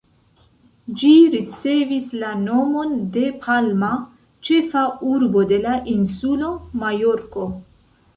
Ĝi ricevis la nomon de Palma, ĉefa urbo de la insulo Majorko.